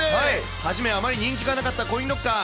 初め、あまり人気がなかったコインロッカー。